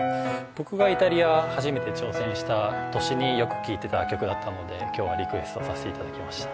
僕がイタリアに初めて挑戦した年によく聞いていた曲だったので、今日はリクエストさせていただきました。